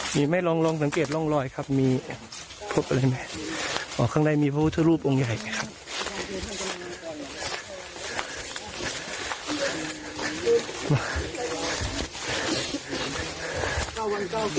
มีไหมลองสังเกตร่องรอยครับมีพบอะไรไหมอ๋อข้างในมีพระพุทธรูปองค์ใหญ่นะครับ